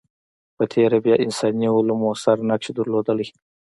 په تېره بیا انساني علوم موثر نقش درلودلی.